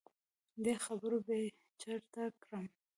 دې خبرو بې چرته کړم.